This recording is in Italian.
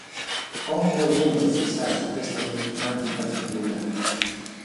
Poco o niente si sa su questa enigmatica figura.